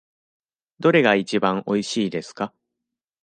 どれがいちばんおいしいですか。